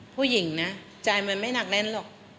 ผู้หญิงนะใจมันไม่หนักแน่นหรอก